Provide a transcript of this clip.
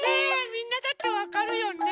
みんなだってわかるよね？